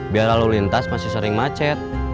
biar lalu lintas masih sering macet